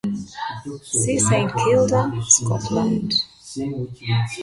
See Saint Kilda, Scotland.